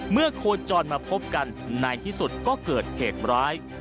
โคจรมาพบกันในที่สุดก็เกิดเหตุร้าย